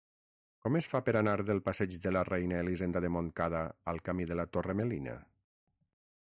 Com es fa per anar del passeig de la Reina Elisenda de Montcada al camí de la Torre Melina?